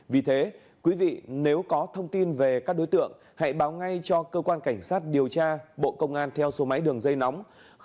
vì thế quý vị nếu có thông tin về các đối tượng hãy báo ngay cho cơ quan cảnh sát điều tra bộ công an theo số máy đường dây nóng sáu mươi chín nghìn hai trăm ba mươi ba